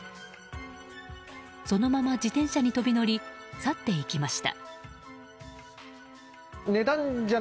そのまま自転車に飛び乗り去っていきました。